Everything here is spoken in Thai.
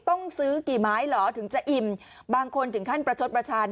ต้องซื้อกี่ไม้เหรอถึงจะอิ่มบางคนถึงขั้นประชดประชัน